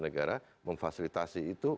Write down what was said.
negara memfasilitasi itu